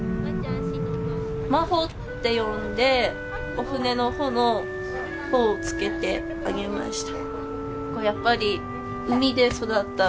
眞帆って読んでお船の帆の帆をつけてあげました。